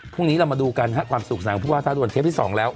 พรุ่งนี้เรามาดูกันฮะความสุขหนังผู้ว่าท้าด่วนเทปที่๒แล้ว